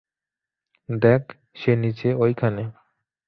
দেখ, সে নিচে ওইখানে।